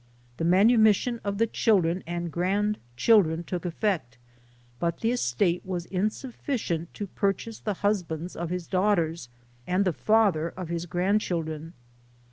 The manumission of the children and grandchildren took effect ; but the estate was insuf ficient to purchase the husbands of his daughters, and the father of his grandchildren.